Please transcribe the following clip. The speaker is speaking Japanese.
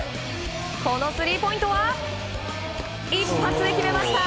このスリーポイントは一発で決めました。